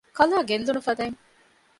ކަލާ ގެއްލުނު ފަދައިން